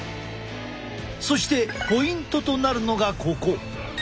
そしてポイントとなるのがここ。